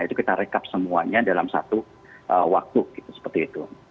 itu kita rekap semuanya dalam satu waktu